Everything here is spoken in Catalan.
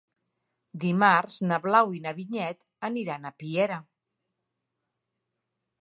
Dimarts na Blau i na Vinyet aniran a Piera.